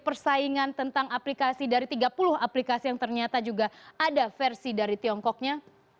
persaingan tentang aplikasi dari tiga puluh aplikasi yang ternyata juga ada versi dari tiongkoknya